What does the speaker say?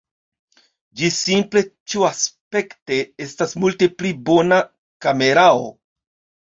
Ĝi simple ĉiuaspekte estas multi pli bona kamerao.